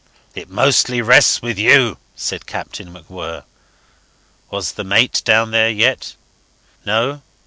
It mostly rests with you," said Captain MacWhirr. Was the mate down there yet? No?